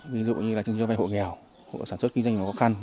ví dụ như là cho vay hộ nghèo hộ sản xuất kinh doanh và khó khăn